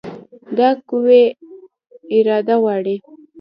دا قوي اراده غواړي.